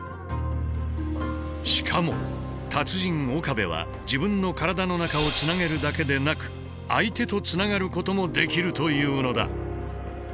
しかも達人・岡部は自分の体の中をつなげるだけでなく相手とつながることもできるというのだ。